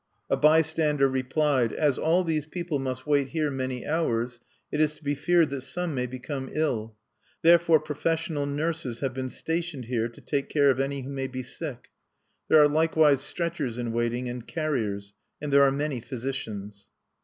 A bystander replied: "As all these people must wait here many hours, it is to be feared that some may become ill. Therefore professional nurses have been stationed here to take care of any who may be sick. There are likewise stretchers in waiting, and carriers. And there are many physicians."